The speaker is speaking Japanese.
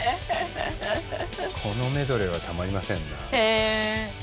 このメドレーはたまりませんな。へ。